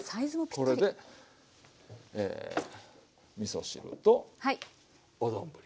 これで。えみそ汁とお丼が。